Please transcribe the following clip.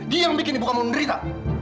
dia yang bikin ibu kamu menderita